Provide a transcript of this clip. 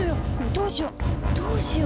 どうしよどうしよう！